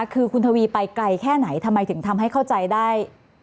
คือคุณทวีไปไกลแค่ไหนทำไมถึงทำให้เข้าใจได้